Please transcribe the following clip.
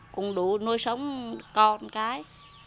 cũng đủ nuôi sống con cái